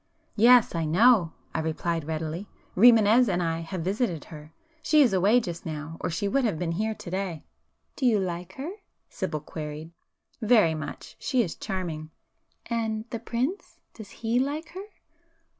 "Yes, I know,"—I replied readily—"Rimânez and I have visited her. She is away just now, or she would have been here to day." "Do you like her?" Sibyl queried. "Very much. She is charming." "And ... the prince ... does he like her?"